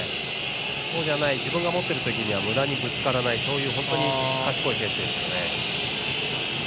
そうじゃない自分が持っているときには無駄にぶつからない賢い選手ですね。